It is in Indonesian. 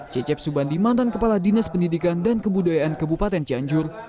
cecep subandi mantan kepala dinas pendidikan dan kebudayaan kabupaten cianjur